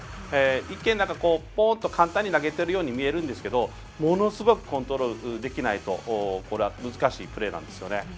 一見、ポーンと簡単に投げているように見えるんですがものすごくコントロールできないと難しいプレーなんですよね。